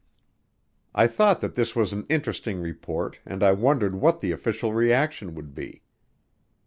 I thought that this was an interesting report and I wondered what the official reaction would be.